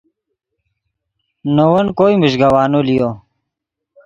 نے ون کوئے میژگوانو لیو